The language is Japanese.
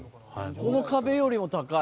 この壁よりも高い。